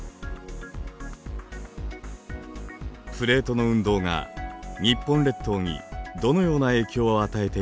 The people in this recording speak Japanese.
プレートの運動が日本列島にどのような影響を与えているのか。